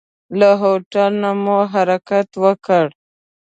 له هوټل نه مو حرکت وکړ.